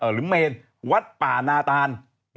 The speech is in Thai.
หรือเมนวัดป่านาตาน